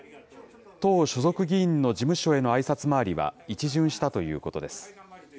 党所属議員の事務所へのあいさつ回りは一巡したということです。